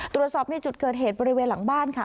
ตรวจสอบในจุดเกิดเหตุบริเวณหลังบ้านค่ะ